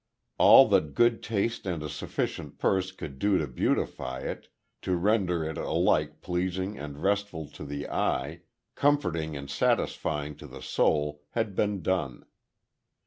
All that good taste and a sufficient purse could do to beautify it to render it alike pleasing and restful to the eye, comforting and satisfying to the soul, had been done.